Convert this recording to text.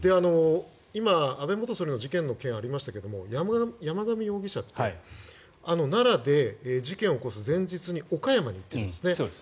今、安倍元総理の事件の件がありましたが山上容疑者って奈良で事件を起こす前日に岡山に行ってるんですね。